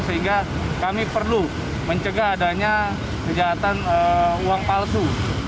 sehingga kami perlu mencegah adanya kejahatan uang palsu